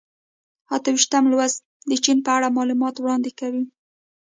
اته ویشتم لوست د چین په اړه معلومات وړاندې کوي.